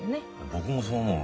僕もそう思う。